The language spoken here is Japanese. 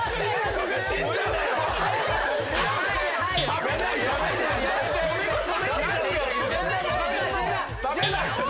食べないと！